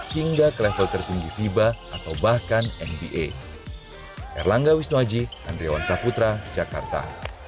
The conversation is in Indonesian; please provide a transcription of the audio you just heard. hingga ke level tertinggi fiba atau bahkan nba